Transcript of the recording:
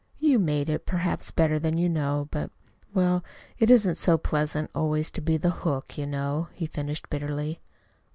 You made it perhaps better than you know. But well, it isn't so pleasant always to be the hook, you know," he finished bitterly.